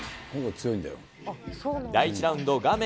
第１ラウンド、画面